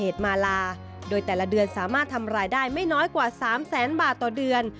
ทำรายได้ไม่น้อยกว่า๓แสนบาทต่อเดือน